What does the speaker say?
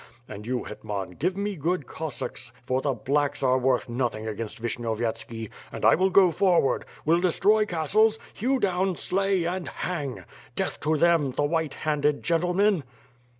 And you Hetman, give me good Cossacks, for the "blacks" are worth nothing against Vishnyovyetski, and I will go for ward; will destroy castles, hew down, slay, and hang. Death to them, the white handed gentlemen!"